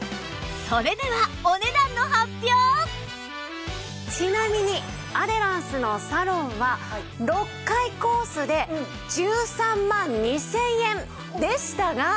それではちなみにアデランスのサロンは６回コースで１３万２０００円でしたが。